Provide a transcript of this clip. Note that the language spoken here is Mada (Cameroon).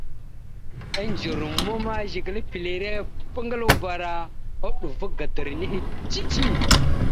Indze ruma ma Zigəla epilire bangəla uvar a, uɗuva gadəra nehe cici.